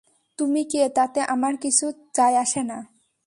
তুমি কে তাতে আমার কিছু যায় আসে না।